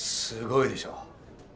すごいでしょ。